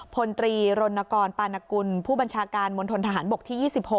พลตรีรณกรปานกุลผู้บัญชาการมณฑนทหารบกที่๒๖